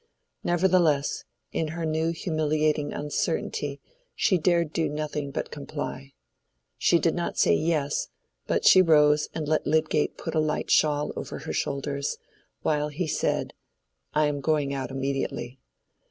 Nevertheless, in her new humiliating uncertainty she dared do nothing but comply. She did not say yes, but she rose and let Lydgate put a light shawl over her shoulders, while he said, "I am going out immediately."